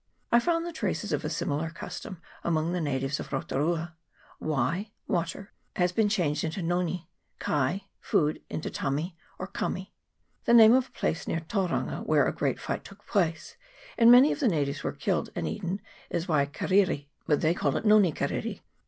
I found the traces of a similar custom amongst the natives of Rotu rua. Wai (water) has been changed into ngongi ; kai (food) into tami, or kami. The name of a place near Tauranga, where a great fight took place, and many of the natives were killed and eaten, is Waikeriri, but they call it Ngongi Keriri.